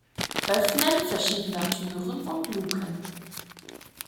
Öffnen verschiedener Türen und Luken.